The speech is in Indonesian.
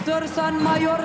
sersan mayor satu taruna